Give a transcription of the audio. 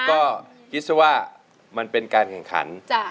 ก็คิดว่ามันเป็นการแข่งขัน